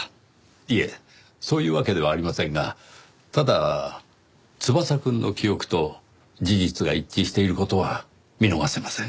いえそういうわけではありませんがただ翼くんの記憶と事実が一致している事は見逃せません。